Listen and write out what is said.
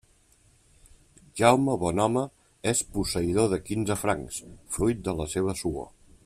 Jaume Bonhome és posseïdor de quinze francs, fruit de la seua suor.